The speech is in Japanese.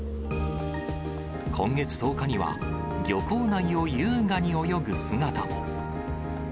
今月１０日には、漁港内を優雅に泳ぐ姿も。